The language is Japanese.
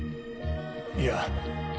いや。